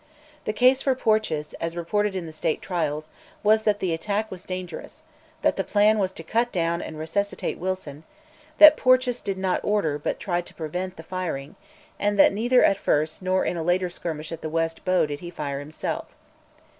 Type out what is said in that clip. The case for Porteous, as reported in 'The State Trials,' was that the attack was dangerous; that the plan was to cut down and resuscitate Wilson; that Porteous did not order, but tried to prevent, the firing; and that neither at first nor in a later skirmish at the West Bow did he fire himself.